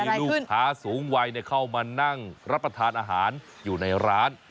มีลูกค้าสูงวัยเข้ามานั่งรับประทานอาหารอยู่ในร้าน